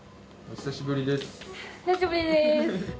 久しぶりです。